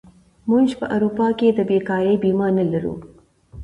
موږ په اروپا کې د بېکارۍ بیمه نه لرو.